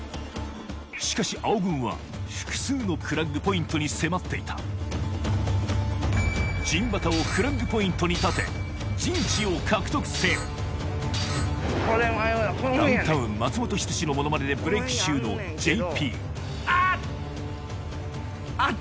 しかし青軍は複数のフラッグポイントに迫っていた陣旗をフラッグポイントに立て陣地を獲得せよダウンタウン・松本人志のモノマネでブレーク中のＪＰあっ！